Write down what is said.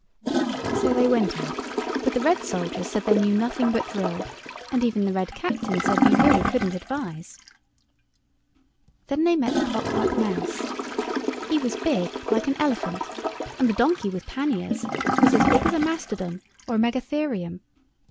So they went out; but the red soldiers said they knew nothing but drill, and even the Red Captain said he really couldn't advise. Then they met the clockwork mouse. He was big like an elephant, and the donkey with panniers was as big as a mastodon or a megatherium.